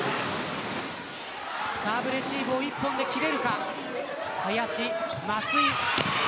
サーブレシーブを１本で切れるか。